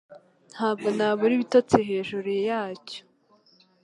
Ntabwo nabura ibitotsi hejuru yacyo